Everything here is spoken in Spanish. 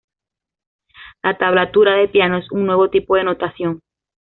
La tablatura de piano es un nuevo tipo de notación.